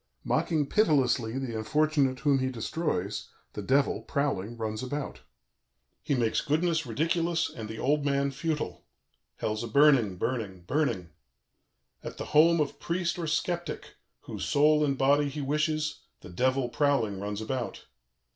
"Mocking pitilessly the unfortunate whom he destroys, the Devil, prowling, runs about. "He makes goodness ridiculous and the old man futile. Hell's a burning, burning, burning. "At the home of priest or sceptic, whose soul and body he wishes, the Devil, prowling, runs about.